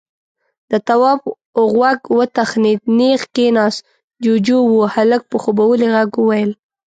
د تواب غوږ وتخنېد، نېغ کېناست. جُوجُو و. هلک په خوبولي غږ وويل: